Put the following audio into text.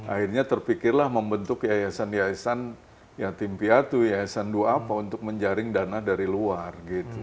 akhirnya terpikirlah membentuk yayasan yayasan yatim piatu yayasan dua apa untuk menjaring dana dari luar gitu